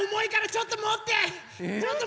ちょっともって！